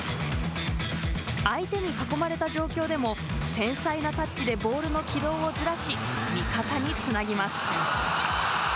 相手に囲まれた状況でも繊細なタッチでボールの軌道をずらし味方につなぎます。